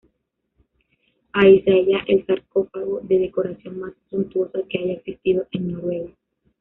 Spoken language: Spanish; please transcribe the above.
Ahí se halla el sarcófago de decoración más suntuosa que haya existido en Noruega.